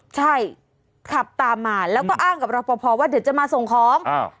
ใช่ขับตามมาแล้วก็อ้างกับรอปภว่าเดี๋ยวจะมาส่งของ